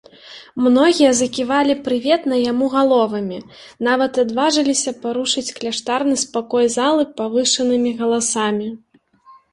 Многія заківалі прыветна яму галовамі, нават адважыліся парушыць кляштарны спакой залы павышанымі галасамі.